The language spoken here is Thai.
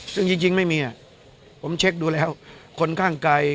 ซึ่งจริงไม่มีผมเช็คดูแล้วคนข้างไกล